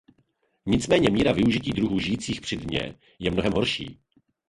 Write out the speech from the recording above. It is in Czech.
Nicméně míra využití druhů žijících při dně je mnohem horší.